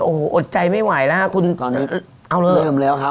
โอ้โหอดใจไม่ไหวแล้วคุณตอนนี้เอาเลยเริ่มแล้วครับ